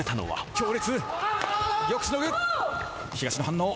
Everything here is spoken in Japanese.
強烈。